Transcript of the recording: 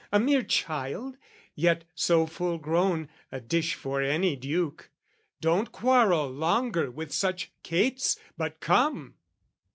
A mere child: "Yet so full grown, a dish for any duke. "Don't quarrel longer with such cates, but come!"